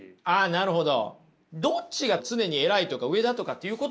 なるほど。